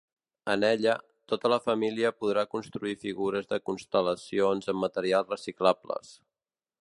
En ella, tota la família podrà construir figures de constel·lacions amb materials reciclables.